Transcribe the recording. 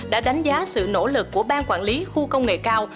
đã đánh giá sự nỗ lực của bang quản lý khu công nghệ cao